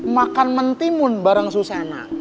makan mentimun bareng susena